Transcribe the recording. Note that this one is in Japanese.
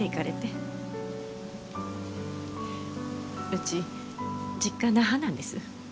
うち実家那覇なんです。